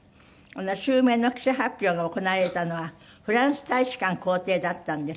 襲名の記者発表が行われたのはフランス大使館公邸だったんです。